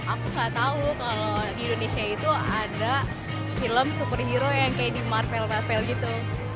aku nggak tahu kalau di indonesia itu ada film superhero yang kayak di marvel ravel gitu